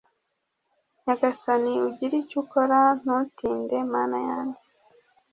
nyagasani ugire icyo ukora ntutinde mana yanjye